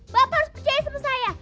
bapak harus percaya sama saya